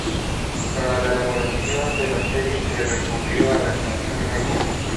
Para la elaboración de la serie se recurrió a la animación Mecha.